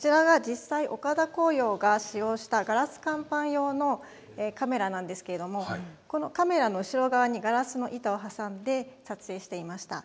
こちらが実際、岡田紅陽が使用したガラス乾板用のカメラなんですけれども、このカメラの後ろ側にガラスの板を挟んで撮影していました。